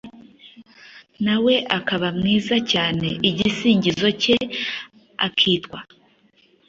nawe akaba mwiza cyane; igisingizo cye akitwa